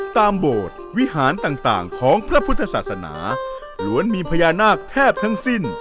โบสถ์วิหารต่างของพระพุทธศาสนาล้วนมีพญานาคแทบทั้งสิ้น